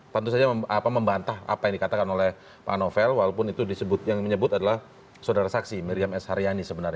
tentu saja membantah apa yang dikatakan oleh pak novel walaupun itu yang menyebut adalah saudara saksi miriam s haryani sebenarnya